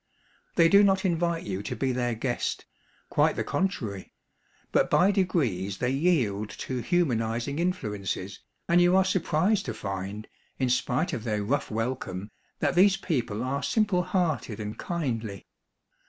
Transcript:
They do not invite you to be their guest, quite the con trary. But by degrees they yield to humanizing influences, and you are surprised to find, in spite of their rough welcome, that these people are simple hearted and kindly.